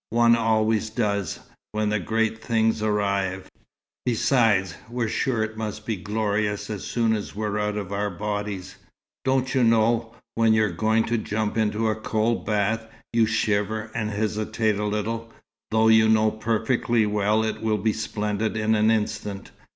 One always does, when the great things arrive. Besides, we're sure it must be glorious as soon as we're out of our bodies. Don't you know, when you're going to jump into a cold bath, you shiver and hesitate a little, though you know perfectly well it will be splendid in an instant.